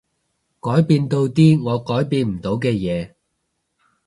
改變到啲我改變唔到嘅嘢